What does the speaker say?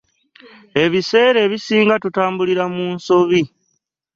Ebiseera ebisinga tutambulira mu nsobi.